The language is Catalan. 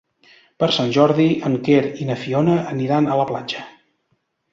Per Sant Jordi en Quer i na Fiona aniran a la platja.